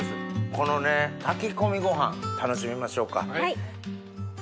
この炊き込みご飯楽しみましょうか。